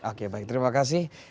oke baik terima kasih